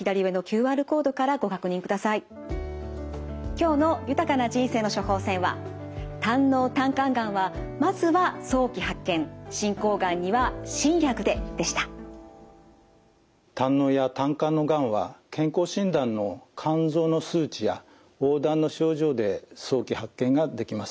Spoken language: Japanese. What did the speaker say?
今日の「豊かな人生の処方せん」は胆のうや胆管のがんは健康診断の肝臓の数値や黄だんの症状で早期発見ができます。